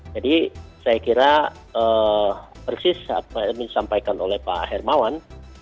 jadi saya kira persis apa yang disampaikan oleh pak hermawan